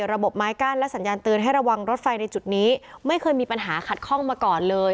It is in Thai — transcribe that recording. ระบบไม้กั้นและสัญญาณเตือนให้ระวังรถไฟในจุดนี้ไม่เคยมีปัญหาขัดข้องมาก่อนเลย